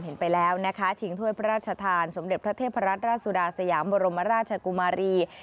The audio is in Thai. ไปแล้วนะคะชิงถ้วยพระราชทานสมเด็จพระเทพรัตนราชสุดาสยามบรมราชกุมารี